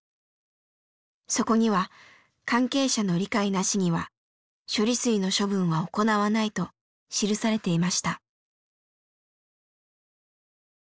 そこには「関係者の理解なしには処理水の処分は行わない」と記されていました。